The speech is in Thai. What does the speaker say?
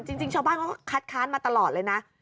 จริงชาวบ้านก็คัดค้านมาตลอดเลยนะ